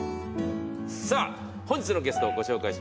さぁ本日のゲストをご紹介しましょう。